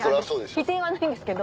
否定はないんですけど。